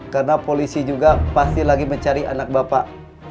karena polisi juga pasti lagi mencari anak bapak